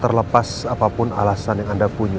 terlepas apapun alasan yang anda punya